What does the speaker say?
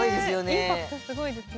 インパクトすごいですね。